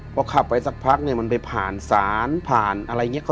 พอขับไปสักพักเนี่ยมันไปผ่านศาลผ่านอะไรอย่างนี้